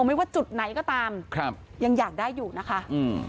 ไม่ว่าจุดไหนก็ตามครับยังอยากได้อยู่นะคะอืม